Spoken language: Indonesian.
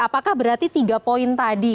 apakah berarti tiga poin tadi